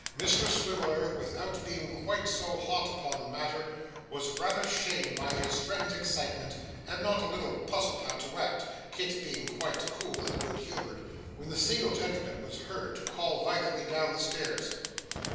Mr Swiveller, without being quite so hot upon the matter, was rather shamed by his friend's excitement, and not a little puzzled how to act (Kit being quite cool and good humoured), when the single gentleman was heard to call violently down the stairs.